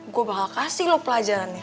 gue bakal kasih lo pelajarannya